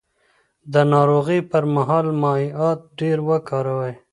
د ناروغۍ پر مهال مایعات ډېر وکاروئ.